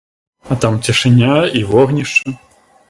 А там цішыня і вогнішча.